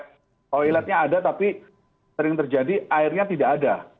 kalau ilatnya ada tapi sering terjadi airnya tidak ada